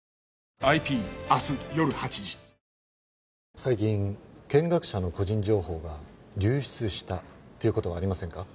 最近見学者の個人情報が流出したという事はありませんか？